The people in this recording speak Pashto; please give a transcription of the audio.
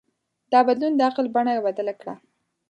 دا بدلون د عقل بڼه بدله کړه.